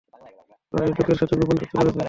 ওরা এই লোকের সাথে গোপন চুক্তি করেছে।